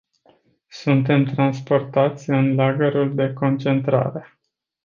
Suntem transportați în lagărul de concentrare.